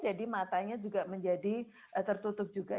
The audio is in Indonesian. jadi matanya juga menjadi tertutup juga